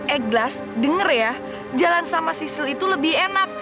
eh glass dengar ya jalan sama sisil itu lebih enak